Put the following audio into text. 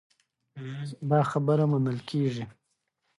دا خبره منل کېږي.